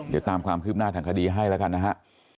เดี๋ยวตามความคืบหน้าทางคดีให้แล้วกันนะฮะ